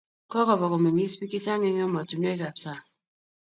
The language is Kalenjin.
Kokoba komeng'is bik chechang' eng' emotunwek ap sang'